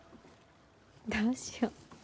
どうしよう。